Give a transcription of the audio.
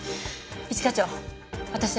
一課長私